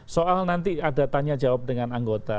soal nanti ada tanya jawab dengan anggota